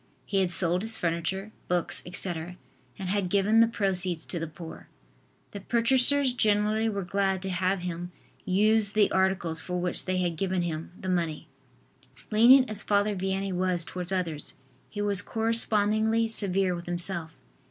He had sold his furniture, books, etc., and had given the proceeds to the poor. The purchasers generally were glad to have him use the articles for which they had given him the money. Lenient as Father Vianney was towards others, he was correspondingly severe with himself.